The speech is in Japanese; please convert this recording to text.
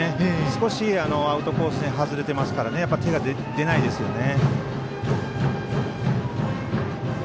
少しアウトコースに外れていますから手が出ないですよね。